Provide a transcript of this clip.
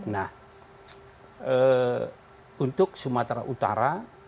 nah untuk sumatera utara